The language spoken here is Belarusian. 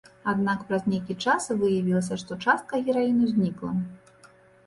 Аднак праз нейкі час выявілася, што частка гераіну знікла.